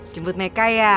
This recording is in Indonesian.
jemput mereka ya